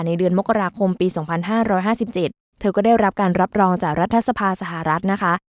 เดือนมกราคมปี๒๕๕๗เธอก็ได้รับการรับรองจากรัฐสภาสหรัฐนะคะ